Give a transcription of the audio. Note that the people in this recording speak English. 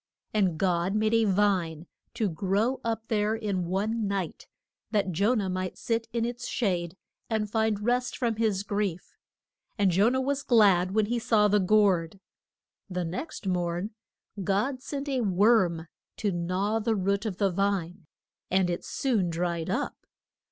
And God made a vine to grow up there in one night, that Jo nah might sit in its shade and find rest from his grief. And Jo nah was glad when he saw the gourd. The next morn God sent a worm to gnaw the root of the vine, and it soon dried up.